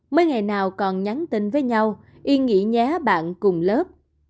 mấy ngày nào còn nhắn tin với nhau yên nghĩ nhé bạn cùng lớp